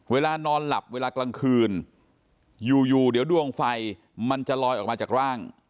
เวลานอนหลับเวลากลางคืนอยู่เดี๋ยวดวงไฟมันจะลอยออกมาจากร่าง